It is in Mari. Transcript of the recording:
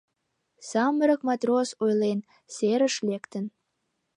Самырык матрос, ойлен, серыш лектын.